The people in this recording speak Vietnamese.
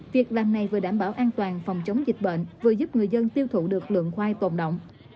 việc làm này vừa đảm bảo an toàn phòng chống dịch bệnh vừa giúp người dân tiêu thụ được lượng khoai tồn động